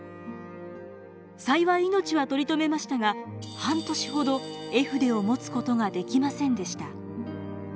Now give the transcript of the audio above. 幸い命は取り留めましたが半年ほど絵筆を持つことができませんでした。